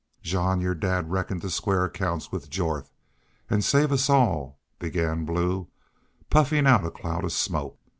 "Jean, your dad reckoned to square accounts with Jorth, an' save us all," began Blue, puffing out a cloud of smoke.